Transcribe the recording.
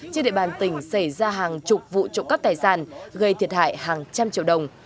trên địa bàn tỉnh xảy ra hàng chục vụ trộm cắp tài sản gây thiệt hại hàng trăm triệu đồng